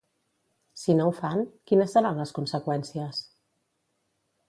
Si no ho fan, quines seran les conseqüències?